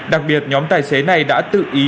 đặc biệt nhóm tài xế này đã tự ý